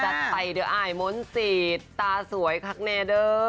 จัดไตเดอะอายมนต์ศิษย์ตาสวยคักแน่เด้อ